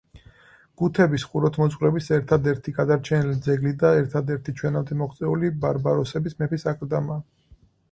გუთების ხუროთმოძღვრების ერთადერთი გადარჩენილი ძეგლი და ერთადერთი ჩვენამდე მოღწეული ბარბაროსების მეფის აკლდამა.